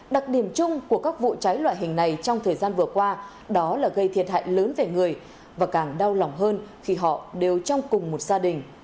đặc điểm chung của các vụ cháy loại hình này trong thời gian vừa qua đó là gây thiệt hại lớn về người và càng đau lòng hơn khi họ đều trong cùng một gia đình